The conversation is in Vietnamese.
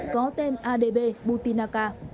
có tên adb butinaka